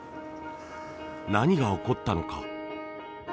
何が起こったのか？